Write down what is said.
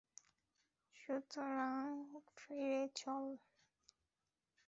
সুতরাং ফিরে চল।